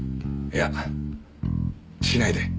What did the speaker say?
いやしないで。